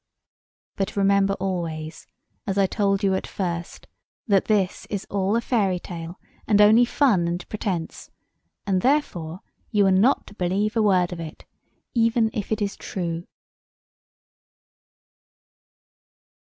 But remember always, as I told you at first, that this is all a fairy tale, and only fun and pretence: and, therefore, you are not to believe a word of it, even if it is true.